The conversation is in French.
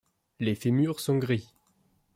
Les fémurs sont gris.